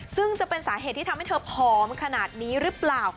ซึ่งจะเป็นสาเหตุที่ทำให้เธอผอมขนาดนี้หรือเปล่า